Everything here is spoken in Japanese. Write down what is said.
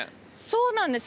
そうなんです。